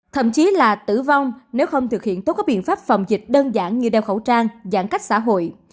thậm chí là tử vong nếu không thực hiện tốt các biện pháp phòng dịch đơn giản như đeo khẩu trang giãn cách xã hội